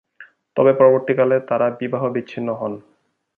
তবে পরবর্তীকালে তারা বিবাহ বিচ্ছিন্ন হন।